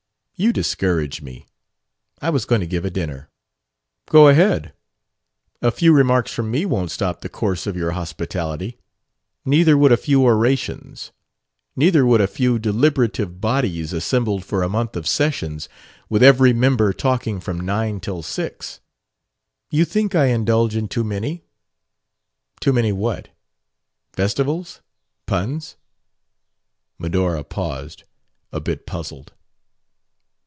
"You discourage me. I was going to give a dinner." "Go ahead. A few remarks from me won't stop the course of your hospitality. Neither would a few orations. Neither would a few deliberative bodies assembled for a month of sessions, with every member talking from nine till six." "You think I indulge in too many?" "Too many what? Festivals? Puns?" Medora paused, a bit puzzled.